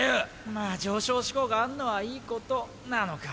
まあ上昇志向があんのは良い事なのか？